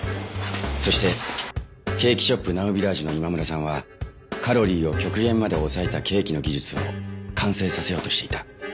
そしてケーキショップ・ナウビラージュの今村さんはカロリーを極限まで抑えたケーキの技術を完成させようとしていた。